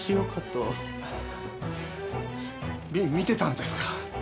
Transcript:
み見てたんですか？